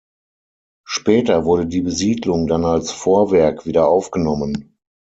Später wurde die Besiedlung dann als Vorwerk wieder aufgenommen.